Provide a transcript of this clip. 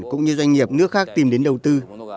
cũng như doanh nghiệp nước khác tìm đến đầu tư